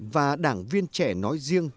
và đảng viên trẻ nói riêng